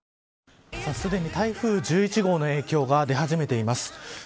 すでに台風１１号の影響が出始めています。